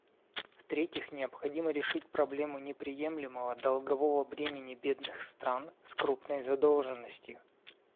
В-третьих, необходимо решить проблему неприемлемого долгового бремени бедных стран с крупной задолженностью.